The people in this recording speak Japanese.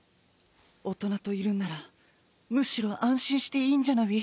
大人といるんならむしろ安心していいんじゃなウィ☆？